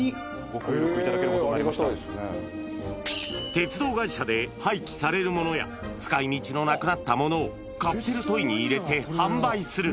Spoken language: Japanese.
鉄道会社で廃棄されるものや使いみちのなくなったものを、カプセルトイに入れて販売する。